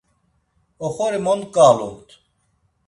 Oxori mo nǩalumt?